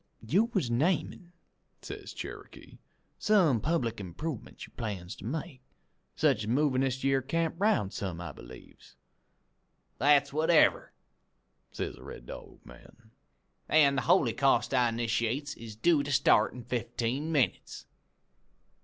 "'You was namin',' says Cherokee, 'some public improvements you aims to make; sech as movin' this yere camp 'round some, I believes?' "'That's whatever,' says the Red Dog man, 'an' the holycaust I 'nitiates is due to start in fifteen minutes.'